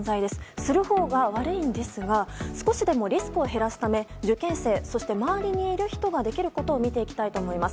するほうが悪いんですが少しでもリスクを減らすため受験生、そして周りにいる人ができることを見ていきたいと思います。